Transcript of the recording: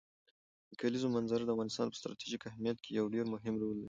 د کلیزو منظره د افغانستان په ستراتیژیک اهمیت کې یو ډېر مهم رول لري.